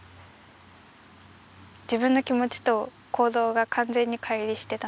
自分の気持ちと行動が完全に乖離してたんですよね。